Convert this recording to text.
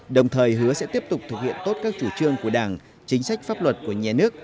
đồng thời hứa sẽ tiếp tục thực hiện tốt các chủ trương của đảng chính sách pháp luật của nhà nước